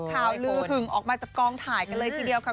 ข่าวลือหึงออกมาจากกองถ่ายกันเลยทีเดียวค่ะ